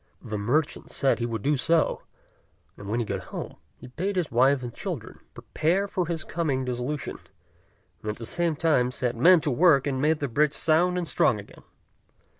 The merchant said he would do so; and when he got home, he bade his wife and children prepare for his coming dissolution, and at the same time set men to work and made the bridge sound and strong again.